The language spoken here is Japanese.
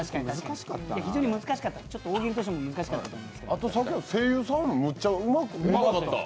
非常に難しかった大喜利としても難しかった。